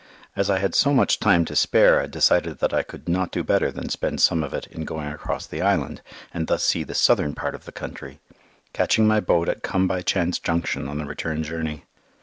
As I had so much time to spare, I decided that I could not do better than spend some of it in going across the island and thus see the Southern part of the country, catching my boat at Come by Chance Junction on the return journey.